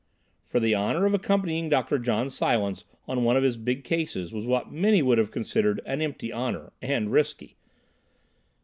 For the honour of accompanying Dr. John Silence on one of his big cases was what many would have considered an empty honour—and risky.